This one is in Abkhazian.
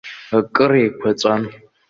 Акыр еиқәаҵәан.